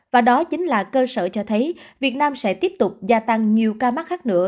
và đó chính là cơ sở cho thấy việt nam sẽ tiếp tục gia tăng nhiều ca mắc khác nữa